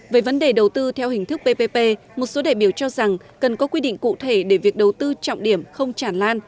về vấn đề đầu tư theo hình thức ppp một số đại biểu cho rằng cần có quy định cụ thể để việc đầu tư trọng điểm không chản lan